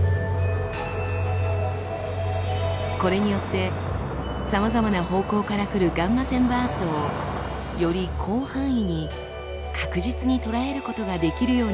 これによってさまざまな方向から来るガンマ線バーストをより広範囲に確実に捉えることができるようになりました。